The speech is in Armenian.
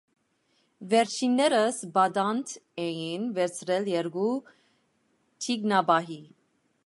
Վերջիններս պատանդ էին վերցրել երկու թիկնապահի։